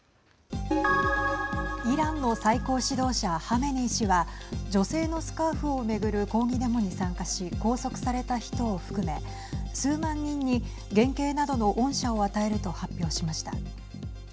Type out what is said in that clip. イランの最高指導者ハメネイ師は女性のスカーフを巡る抗議デモに参加し拘束された人を含め数万人に減刑などの恩赦を与えると発表しました。